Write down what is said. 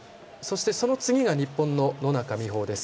そのあとが日本の野中生萌です。